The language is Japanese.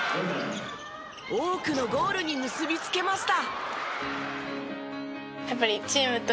多くのゴールに結びつけました。